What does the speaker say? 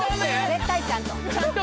絶対ちゃんと。